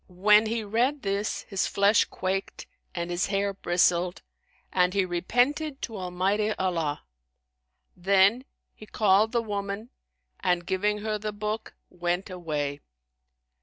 When he read this, his flesh quaked and his hair bristled and he repented to Almighty Allah: then he called the woman and, giving her the book, went away.